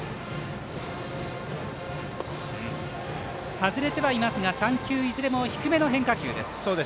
外れてはいますが３球いずれも低めの変化球です。